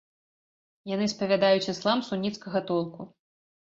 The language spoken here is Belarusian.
Яны спавядаюць іслам суніцкага толку.